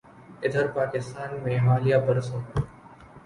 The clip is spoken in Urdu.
ادھر پاکستان میں حالیہ برسوں میں